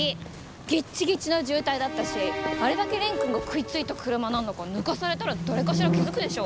ギッチギチの渋滞だったしあれだけ蓮くんが食いついた車なんだから抜かされたら誰かしら気付くでしょ。